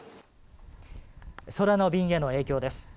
空の便への影響です。